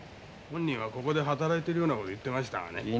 本人はここで働いているような事言ってましたがね。